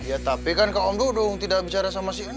eh tapi kan ke om dudu dong tidak bicara sama si nek